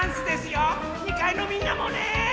２かいのみんなもね！